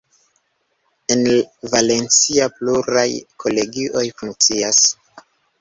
En Valencia pluraj kolegioj funkcias.